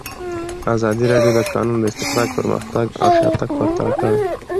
ازادي راډیو د د کانونو استخراج پرمختګ او شاتګ پرتله کړی.